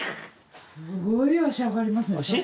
すごい脚上がりますね脚？